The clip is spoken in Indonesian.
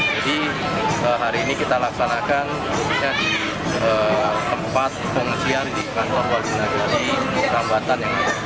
jadi hari ini kita laksanakan di tempat pengungsian di kantor wali naga di rambatan